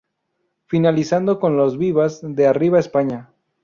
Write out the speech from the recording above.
Finalizando con los vivas de "¡Arriba España!